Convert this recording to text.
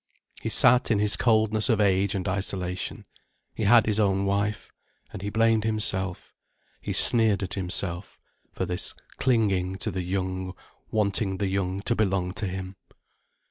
He sat in his coldness of age and isolation. He had his own wife. And he blamed himself, he sneered at himself, for this clinging to the young, wanting the young to belong to him.